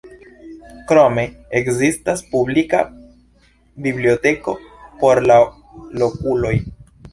Krome, ekzistas publika biblioteko por la lokuloj.